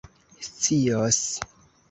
scios